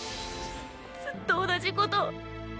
ずっと同じことを。